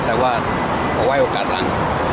แต่ว่าเอาไว้โอกาสแล้ว